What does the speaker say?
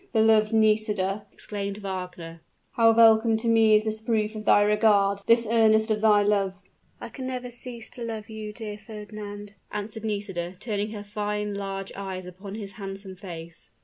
"Beloved Nisida!" exclaimed Wagner, "how welcome to me is this proof of thy regard, this earnest of thy love." "I can never cease to love you, dear Fernand," answered Nisida, turning her fine large eyes upon his handsome face.